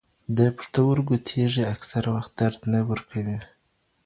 د پښتورګو تېږې اکثره وخت درد نه ورکوي.